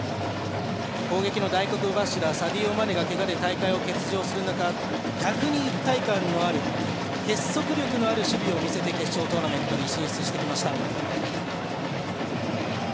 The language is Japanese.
攻撃の大黒柱、サディオ・マネがけがで大会を欠場する中逆に一体感のある結束力のある守備を見せて決勝トーナメントに進出してきました。